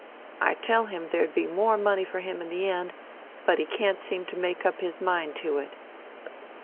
I tell him there'd be more money for him in the end; but he can't seem to make up his mind to it."